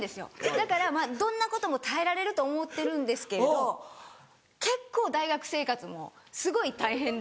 だからどんなことも耐えられると思ってるんですけれど結構大学生活もすごい大変で。